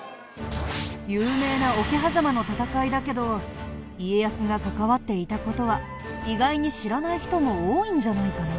有名な桶狭間の戦いだけど家康が関わっていた事は意外に知らない人も多いんじゃないかな？